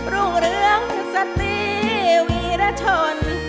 รุ่งเรืองสตรีวีรชน